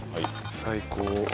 最高。